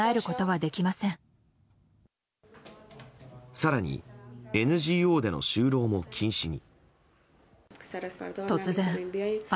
更に、ＮＧＯでの就労も禁止に。